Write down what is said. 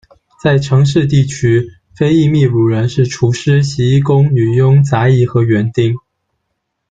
在城市地区，非裔秘鲁人是厨师，洗衣工，女佣，杂役和园丁。